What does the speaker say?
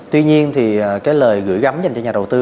tuy nhiên thì cái lời gửi gắm dành cho nhà đầu tư